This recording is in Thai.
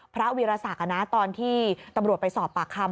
พระวิรสักธรรมตอนที่ตำรวจไปสอบปากคำ